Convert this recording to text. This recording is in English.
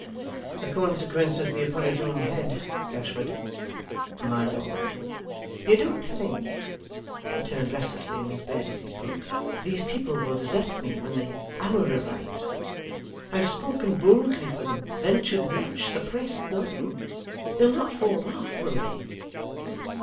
'The consequences be upon his own head! Gashford!' 'My lord!' 'You don't think,' he turned restlessly in his bed as he spoke, 'these people will desert me, when the hour arrives? I have spoken boldly for them, ventured much, suppressed nothing. They'll not fall off, will they?